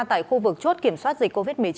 tại khu vực chốt kiểm soát dịch covid một mươi chín